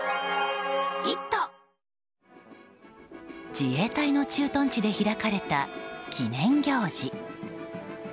自衛隊の駐屯地で開かれた記念行事。